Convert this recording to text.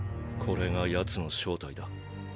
これが奴の正体だ。